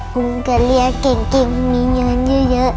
ลุงก็เรียกเก่งมีเงินเยอะ